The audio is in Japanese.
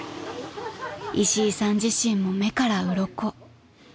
［石井さん自身も目からうろこ］